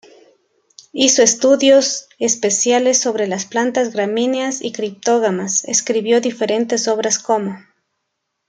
Hizo estudios especiales sobre las plantas gramíneas y criptógamas; escribió diferentes obras como